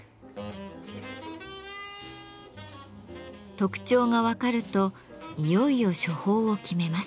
特徴が分かるといよいよ処方を決めます。